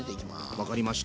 分かりました。